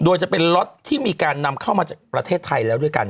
โดยจะเป็นล็อตที่มีการนำเข้ามาจากประเทศไทยแล้วด้วยกัน